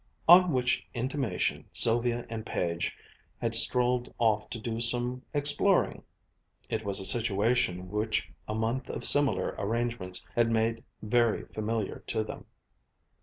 On which intimation Sylvia and Page had strolled off to do some exploring. It was a situation which a month of similar arrangements had made very familiar to them.